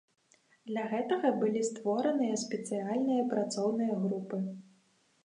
Для гэтага былі створаныя спецыяльныя працоўныя групы.